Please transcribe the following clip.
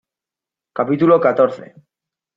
capítulo catorce.